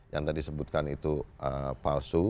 yang tadi sebutkan itu palsu